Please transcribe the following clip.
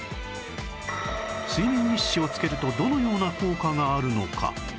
睡眠日誌をつけるとどのような効果があるのか？